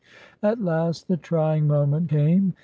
;? At last the trying moment came.